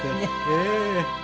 ええ。